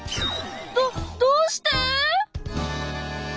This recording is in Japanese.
どどうして！？